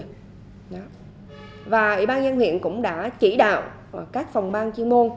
ủy ban nhân dân huyện cũng đã chỉ đạo các phòng ban chuyên môn